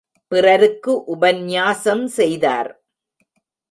பிறருக்கு உபந்நியாசம் செய்தார்.